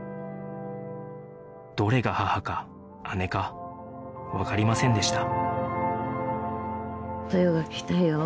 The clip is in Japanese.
どれが母か姉かわかりませんでした